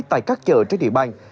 tại các chợ trên địa bàn